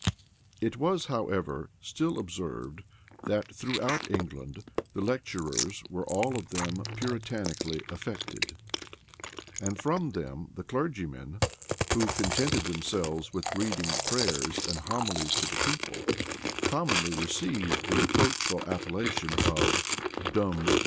[] It was, however, still observed, that throughout England the lecturers were all of them Puritanically affected; and from them the clergymen, who contented themselves with reading prayers and homilies to the people, commonly received the reproachful appellation of "dumb dogs."